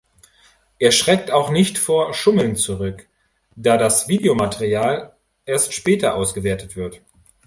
Er schreckt auch nicht vor Schummeln zurück, da das Videomaterial erst später ausgewertet wird.